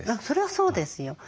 そりゃそうですよ。